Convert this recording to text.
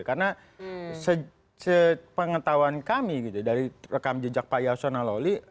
karena sepengetahuan kami gitu dari rekam jejak pak ya sonalawli